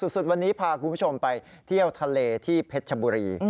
สุดวันนี้พาคุณผู้ชมไปเที่ยวทะเลที่เพชรชบุรี